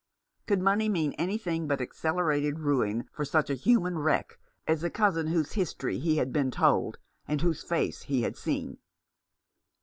Could money mean any thing but accelerated ruin for such a human wreck as the cousin whose history he had been told, and whose face he had seen